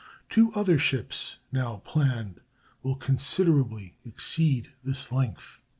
Two other ships, now planned, will considerably exceed this length.